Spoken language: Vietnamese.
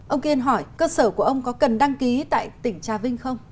ông kiên hỏi cơ sở của ông có cần đăng ký tại tỉnh trà vinh không